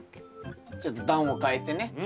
ちょっと段を変えてね。